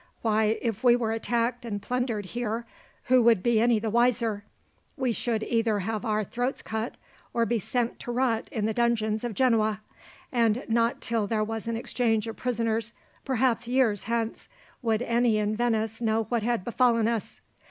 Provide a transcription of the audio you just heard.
Why, if we were attacked and plundered here, who would be any the wiser? We should either have our throats cut, or be sent to rot in the dungeons of Genoa. And not till there was an exchange of prisoners, perhaps years hence, would any in Venice know what had befallen us.